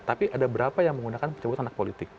tapi ada beberapa yang menggunakan pencabutan hak politik